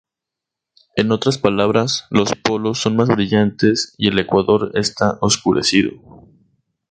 En otras palabras, los polos son más brillantes y el ecuador está oscurecido.